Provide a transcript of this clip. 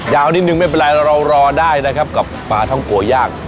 ยาวนิดนึงไม่เป็นไรเรารอได้นะครับกับปลาท่องโกย่าง